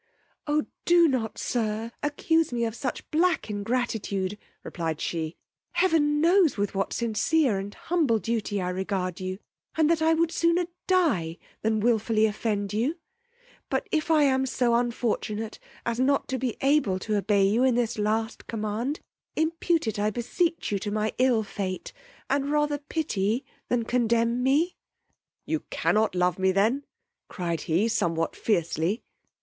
O do not, sir, accuse me of such black ingratitude, replied she; heaven knows with what sincere and humble duty I regard you, and that I would sooner die than wilfully offend you; but if I am so unfortunate as not to be able to obey you in this last command, impute it, I beseech you, to my ill fate, and rather pity than condemn me. You cannot love me then? cried he, somewhat feircely.